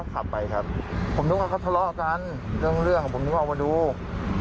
แบบลักษณะเหมือนแบบหวั่นพวก